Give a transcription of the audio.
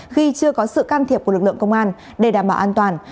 khi chưa có sự can thiệp của lực lượng công an để đảm bảo an toàn